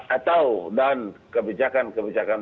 atau dan kebijakan kebijakan